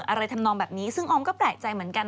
ทำนองแบบนี้ซึ่งออมก็แปลกใจเหมือนกัน